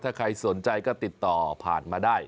ถ้าใครสนใจก็ติดต่อผ่านมาได้